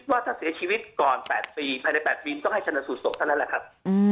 ว่าถ้าเสียชีวิตก่อน๘ปีประมาณ๘ปีต้องให้เชิญสูตรสุขทั้งนั้นแหละครับ